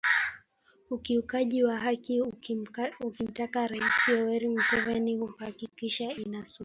ukiukwaji wa haki ukimtaka Rais Yoweri Museveni kuhakikisha inakomeshwa